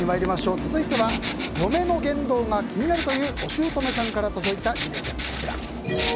続いては嫁の言動が気になるというお姑さんから届いた事例です。